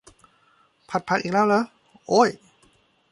ผัดผักอีกแล้วเหรอ โอ๊ย